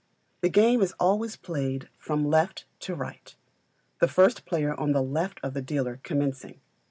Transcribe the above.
The game is always played from left to right, the first player on the left of the dealer commencing.